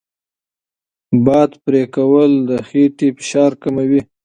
باد پرې کول د خېټې فشار کموي.